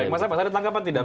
mas abbas ada tanggapan tidak